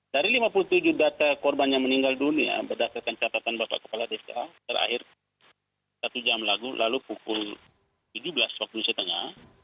dari lima puluh tujuh data korban yang meninggal dunia berdasarkan catatan bapak kepala desa terakhir satu jam lalu pukul tujuh belas waktu indonesia tengah